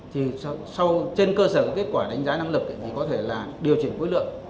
thì trên cơ sở kết quả đánh giá năng lực thì có thể là điều chỉnh quy lượng